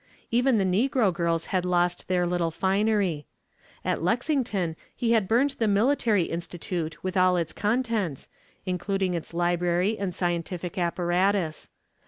Even the negro girls had lost their little finery. At Lexington he had burned the Military Institute with all its contents, including its library and scientific apparatus.